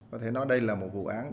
có thể nói đây là một vụ án